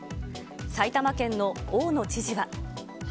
埼玉県の大野知事は。